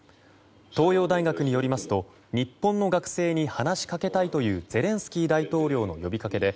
東洋大学によりますと日本の学生に話しかけたいというゼレンスキー大統領の呼びかけで